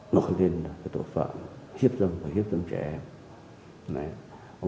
nói lên là cái tội phạm hiếp dâm và hiếp dâm trẻ em